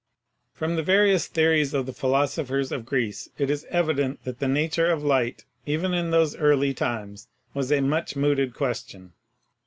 From the various theories of the philosophers of Greece it is evident that the Nature of Light, even in those early THE SOURCES OF LIGHT 67 times, was a much mooted question.